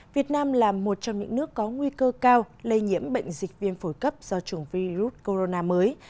việt nam là một trong những nước có nguy cơ cao lây nhiễm bệnh dịch viêm phổi cấp do chủng virus corona mới